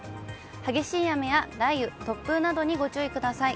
激しい雨や雷雨、突風などにご注意ください。